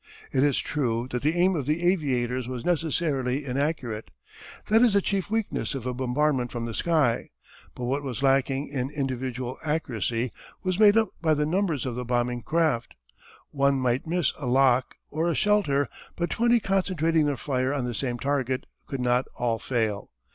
It is true that the aim of the aviators was necessarily inaccurate. That is the chief weakness of a bombardment from the sky. But what was lacking in individual accuracy was made up by the numbers of the bombing craft. One might miss a lock or a shelter, but twenty concentrating their fire on the same target could not all fail.